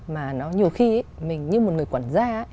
mà nó nhiều khi mình như một người quản gia